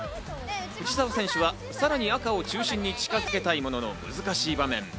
藤澤選手はさらに赤を中心に近づけたいものの難しい場面。